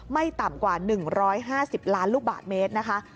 ไม่ต่ำกว่า๑๕๐ล้านลูกบาทเมตรนะคะ